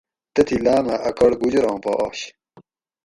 تتھیں لامہ اۤ کڑ گوجوراں پا آش